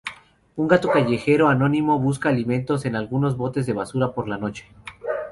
Un gato callejero anónimo busca alimentos en algunos botes de basura por la noche.